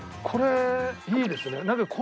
これいいですね